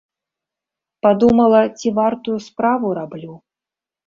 Падумала, ці вартую справу раблю.